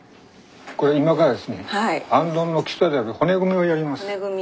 これ今からですね行灯の基礎である骨組みをやります。